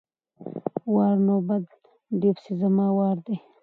وار= نوبت، د دې پسې زما وار دی!